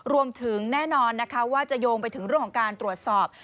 รวมถึงแน่นอนนะคะว่าจะโยงไปถึงเรื่องของการตรวจสอบ